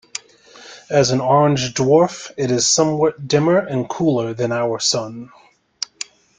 As an orange dwarf it is somewhat dimmer and cooler than our Sun.